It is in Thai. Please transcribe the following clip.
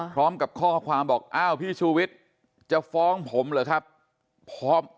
พร้อมกับข้อความบอกอ้าวพี่ชูวิทย์จะฟ้องผมเหรอครับ